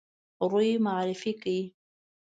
روی معرفي کړ.